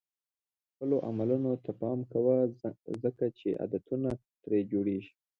خپلو عملونو ته پام کوه ځکه چې عادتونه ترې جوړېږي.